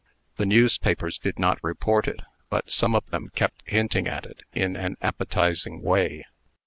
The newspapers did not report it; but some of them kept hinting at it in an appetizing way.